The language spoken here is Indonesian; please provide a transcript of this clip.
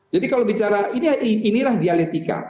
jadi kalau bicara inilah dialetika